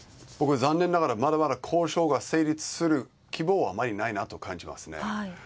残念ながらまだまだ交渉が成立する希望はあまりないなと感じますね。